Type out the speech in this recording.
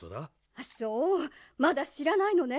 あそうまだしらないのね。